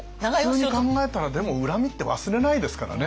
普通に考えたらでも恨みって忘れないですからね。